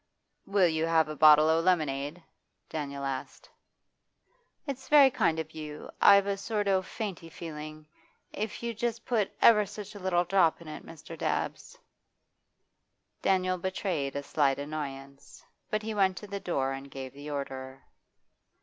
'Will you have a bottle o' lemonade?' Daniel asked. 'It's very kind of you. I've a sort o' fainty feeling. If you'd just put ever such a little drop in it, Mr. Dabbs.' Daniel betrayed a slight annoyance. But he went to the door and gave the order.